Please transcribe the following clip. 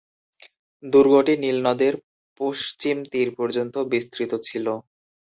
দুর্গটি নীল নদের পশ্চিম তীর পর্যন্ত বিস্তৃত ছিল।